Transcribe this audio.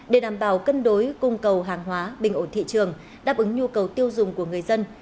để đảm bảo cân đối cung cầu hàng hóa bình ổn thị trường đáp ứng nhu cầu tiêu dùng của người dân